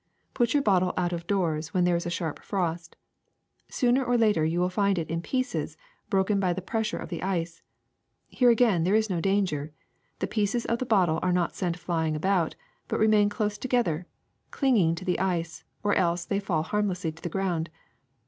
Put your bottle out of doors when there is a sharp frost. Sooner or later you will find it in pieces, broken by the pressure of the ice. Here again there is no danger. The pieces of the bottle are not sent flying all about, but remain close to gether, clinging to the ice; or else they fall harm lessly to the ground.